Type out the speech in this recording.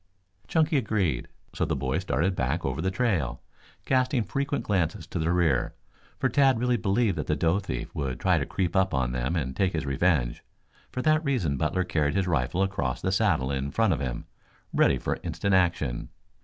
Chunky agreed, so the boys started back over the trail, casting frequent glances to the rear, for Tad really believed that the doe thief would try to creep up on them and take his revenge. For that reason Butler carried his rifle across the saddle in front of him, ready for instant action.